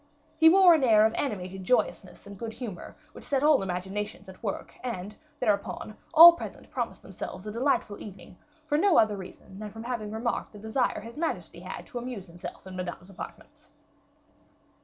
He wore an air of animated joyousness and good humor which set all imaginations at work, and, thereupon, all present promised themselves a delightful evening, for no other reason than from having remarked the desire his majesty had to amuse himself in Madame's apartments.